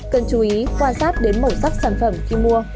cần chú ý quan sát đến màu sắc sản phẩm khi mua